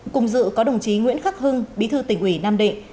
cùng dự có đồng chí nguyễn khắc hưng bí thư tỉnh ủy nam định